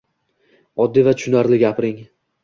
Oddiy va tushunarli gapiring.